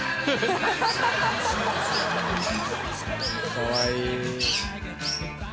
かわいい。